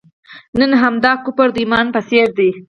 نن همدغه کفر د ایمان په څېر دی.